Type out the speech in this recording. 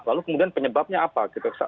lalu kemudian penyebabnya apa